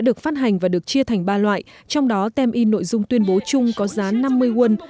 được phát hành và được chia thành ba loại trong đó tem in nội dung tuyên bố chung có giá năm mươi won